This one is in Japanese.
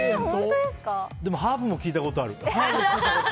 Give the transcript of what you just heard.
でも、ハーブも聞いたことある。